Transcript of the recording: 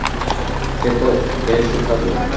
খেতে বেশ সুস্বাদু!